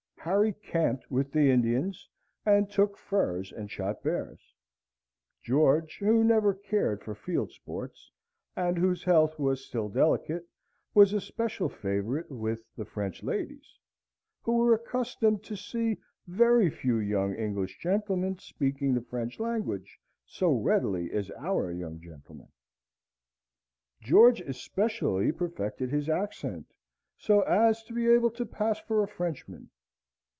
Harry camped with the Indians, and took furs and shot bears. George, who never cared for field sports, and whose health was still delicate, was a special favourite with the French ladies, who were accustomed to see very few young English gentlemen speaking the French language so readily as our young gentlemen. George especially perfected his accent so as to be able to pass for a Frenchman.